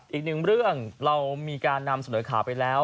อีกหนึ่งเรื่องเรามีการนำเสนอข่าวไปแล้ว